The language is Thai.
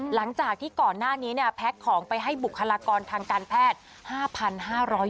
หลังจากที่ก่อนหน้านี้แพ็คของไปให้บุคลากรทางการแพทย์